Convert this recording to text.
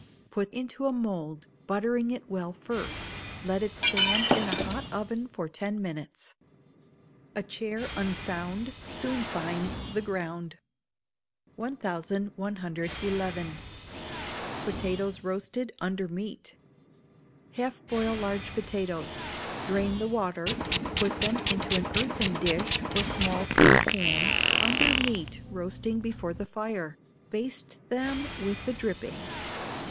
Put into a mould, buttering it well first: let it stand in a hot oven for ten minutes. [A CHAIR UNSOUND SOON FINDS THE GROUND.] 1111. Potatoes Roasted under Meat. Half boil large potatoes; drain the water; put them into an earthen dish, or small tin pan, under meat roasting before the fire; baste them with the dripping.